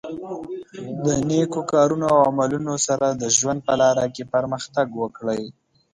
د نېکو کارونو او عملونو سره د ژوند په لاره کې پرمختګ وکړئ.